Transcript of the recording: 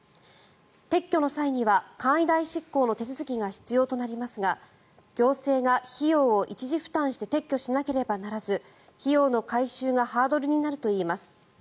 撤去の際には簡易代執行の手続きが必要となりますが行政が費用を一時負担して撤去しなければならず費用の回収がハードルになるといいます。